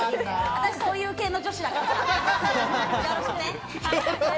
私そういう系の女子だから、よろしくね。